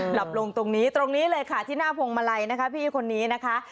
หลับลงตรงนี้ตรงนี้เลยค่ะที่หน้าพวงมาลัยนะคะพี่คนนี้นะคะ